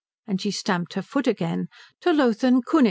and she stamped her foot again "to Lothen Kunitz."